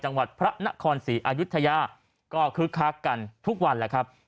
จังหวัดพระนครศรีอายุทยาก็คึกคักกันทุกวันแหละครับ